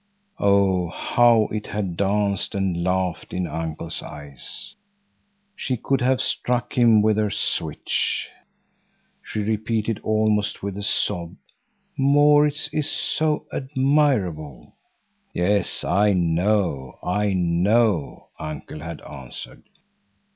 Oh, how it had danced and laughed in uncle's eyes! She could have struck him with her switch. She repeated almost with a sob: "Maurits is so admirable." "Yes, I know, I know," Uncle had answered.